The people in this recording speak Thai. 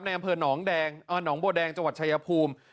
ในแอมเภอหนองแดงหนองโบดแดงจังหวัดชายภูมิ